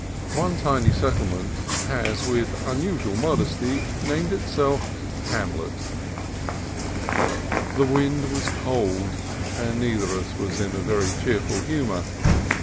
One tiny settlement has with un usual modesty named itself Hamlet. The wind was cold, and neither of us was in very cheerful humor.